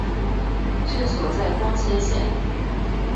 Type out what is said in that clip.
治所在光迁县。